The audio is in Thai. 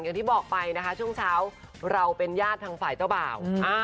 อย่างที่บอกไปนะคะช่วงเช้าเราเป็นญาติทางฝ่ายเจ้าบ่าว